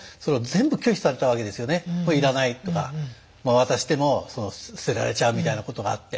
渡しても捨てられちゃうみたいなことがあって。